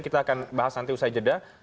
kita akan bahas nanti usai jeda